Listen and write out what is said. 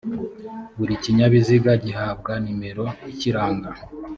buri kinyabiziga gihabwa nimero ikiranga.